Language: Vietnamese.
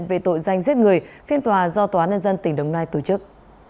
về tội danh giết người phiên tòa do tòa nhân dân tỉnh đồng nai tổ chức